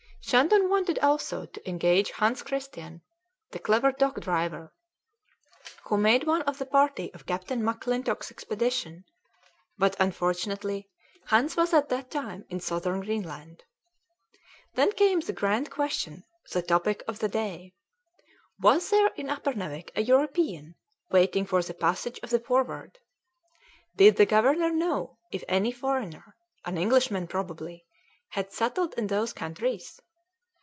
Shandon wanted also to engage Hans Christian, the clever dog driver, who made one of the party of Captain McClintock's expedition; but, unfortunately, Hans was at that time in Southern Greenland. Then came the grand question, the topic of the day, was there in Uppernawik a European waiting for the passage of the Forward? Did the governor know if any foreigner, an Englishman probably, had settled in those countries?